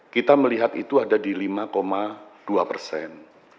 kita melihat itu ada di lima dua persen